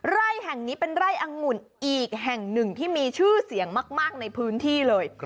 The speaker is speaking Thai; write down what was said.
ไร่แห่งนี้เป็นไร่อังุ่นอีกแห่งหนึ่งที่มีชื่อเสียงมากในพื้นที่เลย